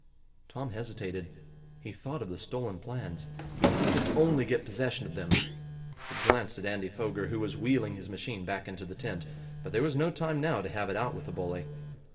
Tom hesitated. He thought of the stolen plans. If he could only get possession of them! He glanced at Andy Foger, who was wheeling his machine back into the tent. But there was no time now to have it out with the bully.